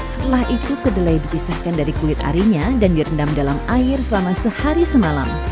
setelah itu kedelai dipisahkan dari kulit arinya dan direndam dalam air selama sehari semalam